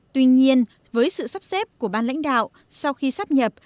tuy nhiên với sự sắp xếp của ban lãnh đạo sau khi sắp nhập